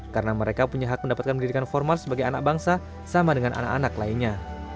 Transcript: karena mereka punya hak mendapatkan pendidikan formal sebagai anak bangsa sama dengan anak anak lainnya